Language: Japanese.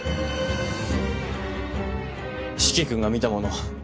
四鬼君が見たもの